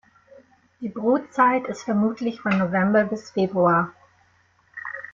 Die Brutzeit ist vermutlich von November bis Februar.